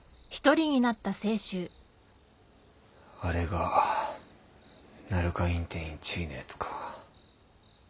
あれが鳴華院展１位のやつか。